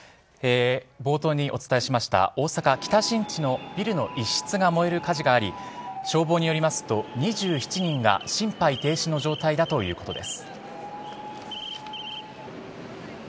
冒頭にお伝えしました大阪・北新地のビルの一室が燃える火事があり消防によりますと２７人が心肺停止の状態だということです。